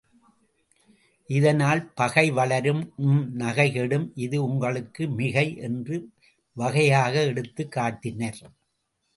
இதனால் பகை வளரும் உம் நகை கெடும் இது உங்களுக்கு மிகை என்று வகையாக எடுத்துக் காட்டினர்.